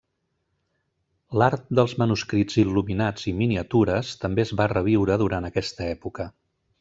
L'art dels manuscrits il·luminats i miniatures també es va reviure durant aquesta època.